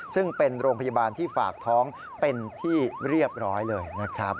ซึ่งเป็นโรงพยาบาลที่ฝากท้องเป็นที่เรียบร้อยเลยนะครับ